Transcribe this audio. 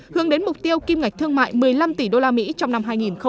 hướng đến mục tiêu kim ngạch thương mại một mươi năm tỷ usd trong năm hai nghìn hai mươi